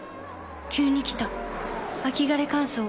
急に来た秋枯れ乾燥。